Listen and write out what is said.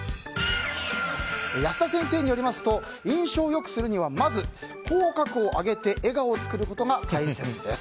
安田先生によりますと印象を良くするにはまず口角を上げて笑顔を作ることが大切です。